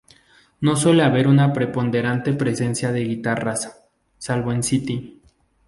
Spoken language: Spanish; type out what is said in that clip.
No suele haber una preponderante presencia de guitarras, salvo en "City".